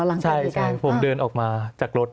หลังการเหตุการณ์ใช่ผมเดินออกมาจากรถ